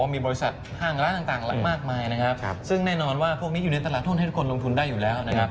มูลค่าของการท่องเที่ยวนี่เติบโตสูงทีเดียว